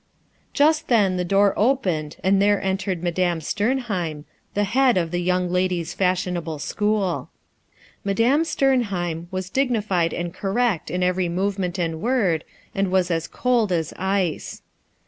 Just then the door opened and there entered Madame Sternheim, the head of the ''Young Ladies' Fashionable School." Madame Sternheim was digniBed and correct m every movement and word, and was as cold as ice.